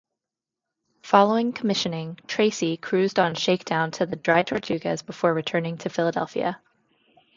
Following commissioning, "Tracy" cruised on shakedown to the Dry Tortugas before returning to Philadelphia.